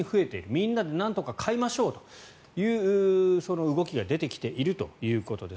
みんなでなんとか買いましょうというその動きが出てきているということです。